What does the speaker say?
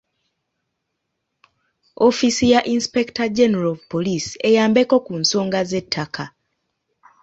Ofiisi ya Inspector General of Police eyambeko ku nsonga z'ettaka.